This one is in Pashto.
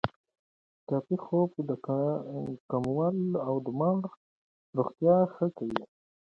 کافي خوب د کولمو او دماغ روغتیا ښه کوي.